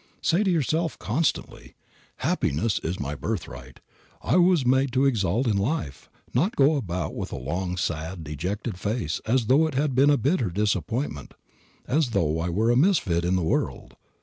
Say to yourself constantly, "Happiness is my birthright. I was made to exult in life, not to go about with a long, sad, dejected face as though it had been a bitter disappointment, as though I were a misfit in the world.